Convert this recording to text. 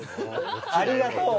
ありがとう。